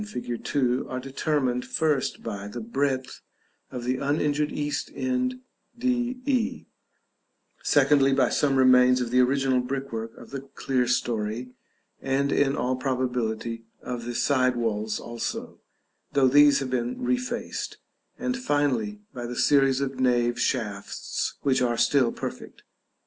fig. 2, are determined, first, by the breadth of the uninjured east end D E; secondly, by some remains of the original brickwork of the clerestory, and in all probability of the side walls also, though these have been refaced; and finally by the series of nave shafts, which are still perfect.